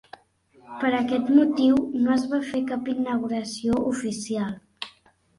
Per aquest motiu, no es va fer cap inauguració oficial.